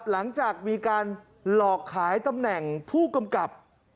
หลังจากมีการหลอกขายตำแหน่งผู้กำกับ